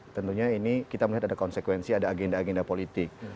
tentunya ini kita melihat ada konsekuensi ada agenda agenda politik